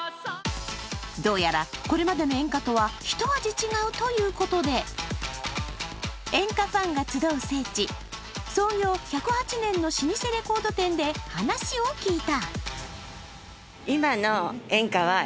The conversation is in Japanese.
どうやらこれまでの演歌とはひと味違うということで演歌ファンが集う聖地、創業１０８年の老舗レコード店で話を聞いた。